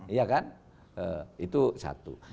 iya kan itu satu